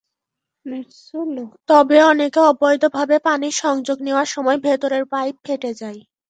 তবে অনেকে অবৈধভাবে পানির সংযোগ নেওয়ার সময় ভেতরের পাইপ ফেটে যায়।